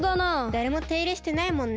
だれもていれしてないもんね。